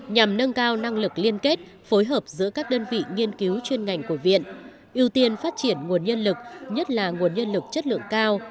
nhằm nâng cao năng lực liên kết phối hợp giữa các đơn vị nghiên cứu chuyên ngành của viện ưu tiên phát triển nguồn nhân lực nhất là nguồn nhân lực chất lượng cao